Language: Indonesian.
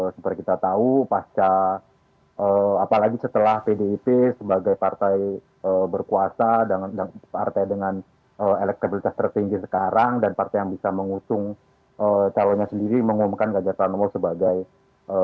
seperti kita tahu pasca apalagi setelah pdip sebagai partai berkuasa partai dengan elektabilitas tertinggi sekarang dan partai yang bisa mengusung calonnya sendiri mengumumkan ganjar pranowo sebagai capres